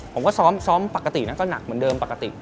ผมก็ซ้อมปกตินะก็หนักเหมือนเดิมปกติ